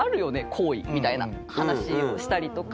好意みたいな話をしたりとか。